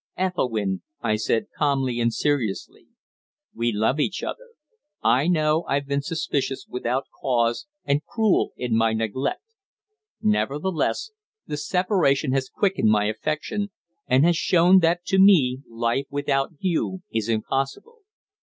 "Ethelwynn," I said, calmly and seriously, "we love each other. I know I've been suspicious without cause and cruel in my neglect; nevertheless the separation has quickened my affection, and has shown that to me life without you is impossible.